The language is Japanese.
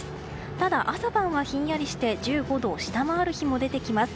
ただ、朝晩はひんやりして１５度を下回る日も出てきます。